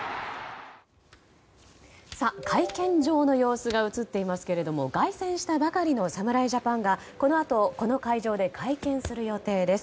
会見場の様子が映っていますけれども凱旋したばかりの侍ジャパンがこのあとこの会場で会見する予定です。